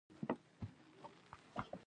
زما ساعت سپين او ژړ دی.